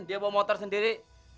dia bawa motor sendiri